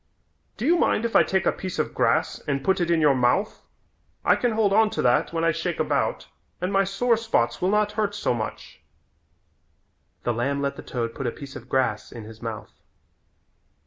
Do you mind if I take a piece of grass and put it in your mouth? I can hold on to that when I shake about and my sore spots will not hurt so much." The lamb let the toad put a piece of grass in his mouth.